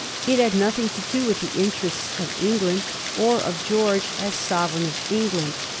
It had nothing to do with the interests of England, or of George as Sovereign of England.